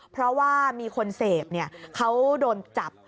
เพราะว่ามีคนเสพเขาโดนจับ